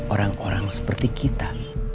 orang orang seperti kita